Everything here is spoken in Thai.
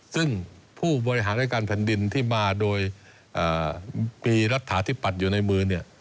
ซึ่งผู้บริหารรายการแผ่นดินที่มาโดยมีรัฐาธิปัตย์อยู่ในมือเนี่ย